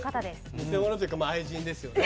偽者というか愛人ですよね。